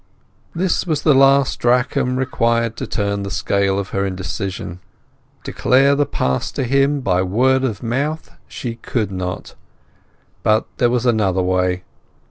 This was the last drachm required to turn the scale of her indecision. Declare the past to him by word of mouth she could not; but there was another way.